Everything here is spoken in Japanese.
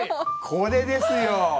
これですよ。